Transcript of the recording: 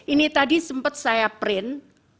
ini tadi sempat saya print